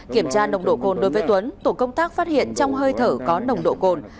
kiểm tra nồng độ cồn đối với tuấn tổ công tác phát hiện trong hơi thở có nồng độ cồn